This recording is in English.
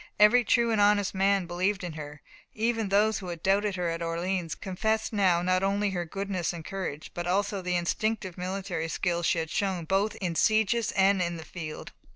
Every true and honest man believed in her; even those who had doubted her at Orleans confessed now not only her goodness and courage, but also the instinctive military skill she had shown both in sieges and in the field.